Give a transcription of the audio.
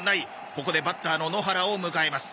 ここでバッターの野原を迎えます。